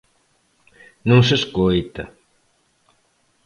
Non se escoita.